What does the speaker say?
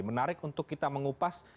menarik untuk kita mengupas